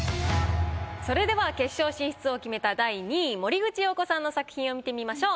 それでは決勝進出を決めた第２位森口瑤子さんの作品を見てみましょう。